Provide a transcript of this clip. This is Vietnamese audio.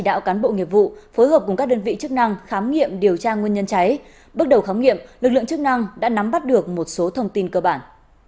lực lượng chức năng đã nắm bắt được một số thông tin cơ bản